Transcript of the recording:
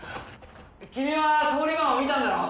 君は通り魔を見たんだろう？